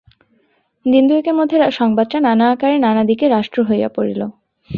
দিন দুয়েকের মধ্যে সংবাদটা নানা আকারে নানা দিকে রাষ্ট্র হইয়া পড়িল।